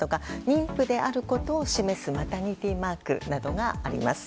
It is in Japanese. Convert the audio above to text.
妊婦であることを示すマタニティーマークなどがあります。